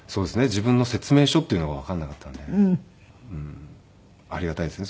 自分の説明書っていうのがわかんなかったんでありがたいですね